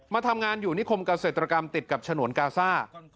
มาทำงานอยู่นิคมเกษตรกรรมติดกับฉนวนกาซ่า